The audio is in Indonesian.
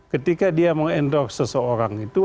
ketika dia meng endorse seseorang itu